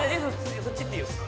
そっち行っていいよ。